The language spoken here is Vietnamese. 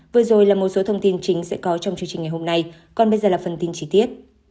vừa rồi là một số thông tin chính sẽ có trong chương trình ngày hôm nay còn bây giờ là phần tin chi tiết